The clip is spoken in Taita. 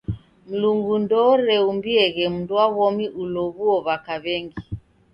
Mlungu ndooreumbieghe mndu wa w'omi ulow'uo w'aka w'engi.